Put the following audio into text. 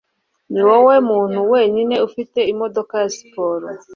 niwowe muntu wenyine ufite imodoka ya siporo